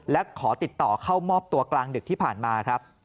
และขอติดต่อเข้ามอบตัวกลางดึกที่ผ่านมาครับ